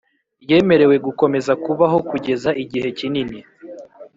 Yemerewe gukomeza kubaho kugeza igihe kinini